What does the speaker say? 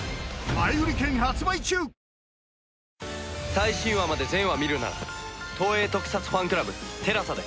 最新話まで全話見るなら東映特撮ファンクラブＴＥＬＡＳＡで。